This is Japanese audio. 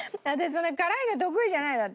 そんなに辛いの得意じゃないんだって。